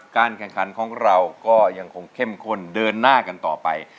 การแข่งขันของเราก็ยังคงเข้มข้นเดินหน้ากันต่อไป